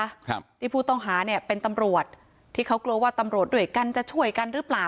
ชาวที่ผู้ต้องหาเป็นตำรวจที่เขากลัวว่าตำรวจจบหรือเปล่า